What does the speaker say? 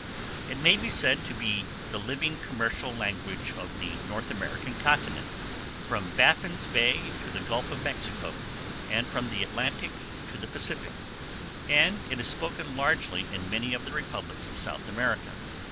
It may be said to be the living commercial language of the North American continent, from Baffin's Bay to the Gulf of Mexico, and from the Atlantic to the Pacific, and it is spoken largely in many of the republics of South America.